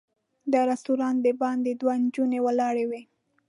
د رسټورانټ د باندې دوه نجونې ولاړې وې.